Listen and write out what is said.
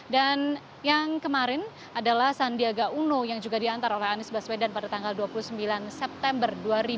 dan yang kemarin adalah sandiaga uno yang juga diantar oleh anis baswedan pada tanggal dua puluh sembilan september dua ribu enam belas